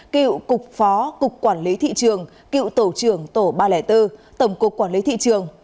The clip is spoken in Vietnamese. cựu cục phó cục quản lý thị trường cựu tổ trưởng tổ ba trăm linh bốn tổng cục quản lý thị trường